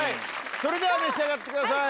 それでは召し上がってください。